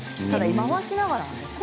回しながらなんですね。